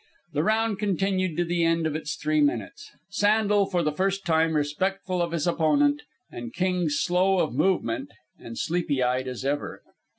The round continued to the end of its three minutes, Sandel for the first time respectful of his opponent and King slow of movement and sleepy eyed as ever.